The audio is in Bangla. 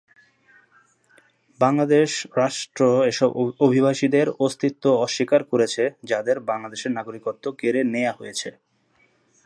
বাংলাদেশ রাষ্ট্র এসব অভিবাসীদের অস্তিত্ব অস্বীকার করেছে যাদের বাংলাদেশের নাগরিকত্ব কেড়ে নেয়া হয়েছে।